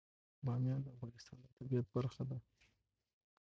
بامیان د افغانستان د طبیعت برخه ده.